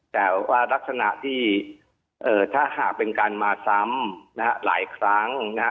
แต่ว่ารักษณะที่ถ้าหากเป็นการมาซ้ำนะฮะหลายครั้งนะฮะ